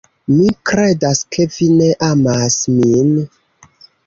Mi kredas ke vi ne amas min.